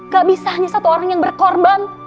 gak bisa hanya satu orang yang berkorban